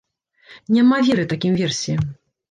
Няма веры такім версіям.